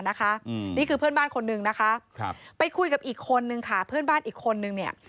นี่คือเพื่อนบ้านคนนึงนะคะไปคุยกับอีกคนนึงค่ะเพื่อนบ้านอีกคนนึงเนี่ย